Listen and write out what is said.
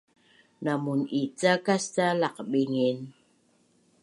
Na mun’icakas maca laqbingin?